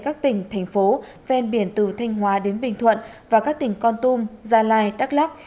các tỉnh thành phố ven biển từ thanh hóa đến bình thuận và các tỉnh con tum gia lai đắk lắc